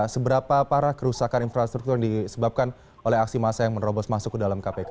seberapa parah kerusakan infrastruktur yang disebabkan oleh aksi massa yang menerobos masuk ke dalam kpk